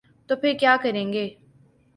تو پھر کیا کریں گے؟